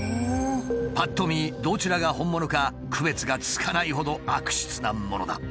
ぱっと見どちらが本物か区別がつかないほど悪質なものだ。